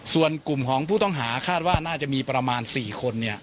ส่วนกลุ่มของผู้ต้องหาคาดว่าน่าจะมีประมาณ๔คน